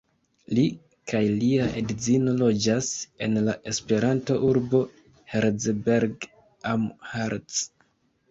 Li kaj lia edzino loĝas en la Esperanto-urbo Herzberg am Harz.